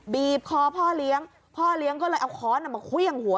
บีบคอพ่อเลี้ยงพ่อเลี้ยงก็เลยเอาค้อนมาเครื่องหัว